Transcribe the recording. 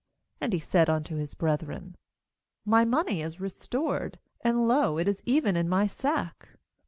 28And he said unto his brethren: 'My money is restored; and, lo, it is even in my sack.'